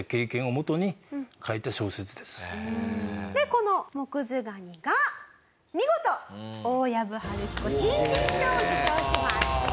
この『藻屑蟹』が見事大藪春彦新人賞を受賞します！